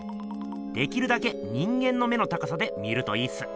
できるだけ人間の目の高さで見るといいっす。